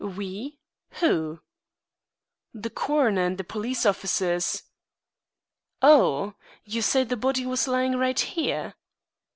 "We? Who?" "The coroner and the police officers." "Oh! You say the body was lying right here?"